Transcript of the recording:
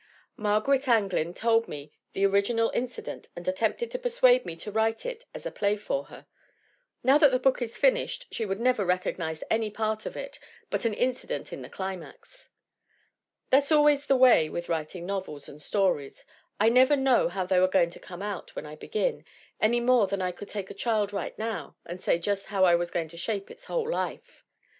^ Margaret Anglin told me the original inci dent and attempted to persuade me to write it as a play for her. Now that the book is finished she would never recognize any part of it but an incident in the climax. "That's always the way with writing novels and stories. I never know how they are going to come out when I begin, any more than I could take a child right now and say just how I was going to shape its whole life.